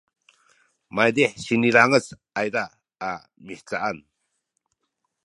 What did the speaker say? maydih sinilangec ayza a mihcaan